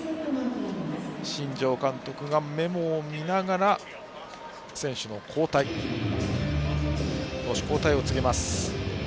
新庄監督がメモを見ながら選手交代、投手交代を告げます。